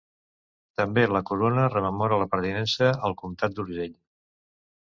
També la corona rememora la pertinença al comtat d'Urgell.